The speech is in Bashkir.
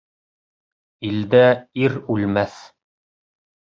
Илдә ир үлмәҫ.